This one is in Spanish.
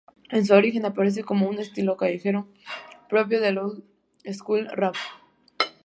En su origen aparece como un estilo callejero, propio del "old school rap".